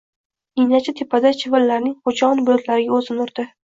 Ninachi tepada chivinlarning g’ujg’on bulutiga o’zini urdi.